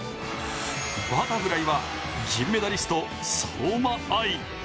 バタフライは銀メダリスト相馬あい。